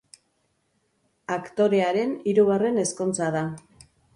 Aktorearen hirugarren ezkontza da.